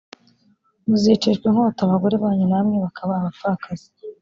muzicishwa inkota abagore banyu namwe bakaba abapfakazi